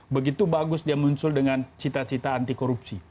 begitu bagus dia muncul dengan cita cita anti korupsi